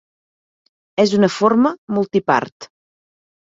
És una forma multipart.